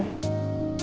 terima kasih bu